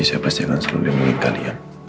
saya pasti akan selalu meminta kalian